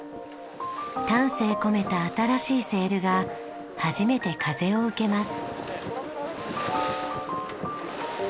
丹精込めた新しいセールが初めて風を受けます。